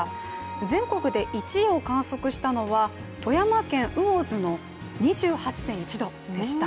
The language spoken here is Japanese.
全国で１位を観測したのは富山県魚津の２８．１度でした。